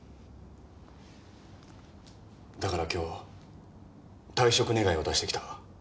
だから今日退職願を出してきた。